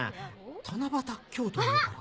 「七夕京都」いうたら。